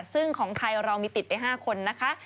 ซึ่งของไทยเรามีติดไป๕คนนะคะ